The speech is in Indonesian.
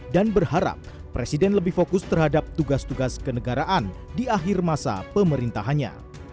dan berharap presiden lebih fokus terhadap tugas tugas kenegaraan di akhir masa pemerintahannya